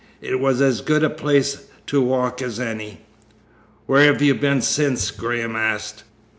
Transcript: It was as good a place to walk as any." "Where have you been since?" Graham asked.